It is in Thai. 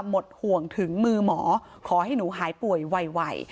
หมดห่วงถึงมือหมอขอให้หนูหายป่วยไว